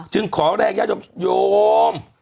จึงขอแรกย่าโยม